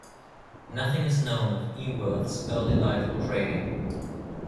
Nothing is known of Eworth's early life or training.